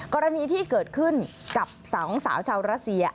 กรณีที่เกิดขึ้นกับสาวเขาเป็นสาวชาวรัสเซีย